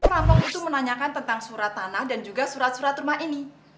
lamong itu menanyakan tentang surat tanah dan juga surat surat rumah ini